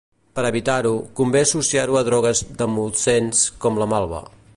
Per a evitar-ho, convé associar-ho a drogues demulcents com la malva.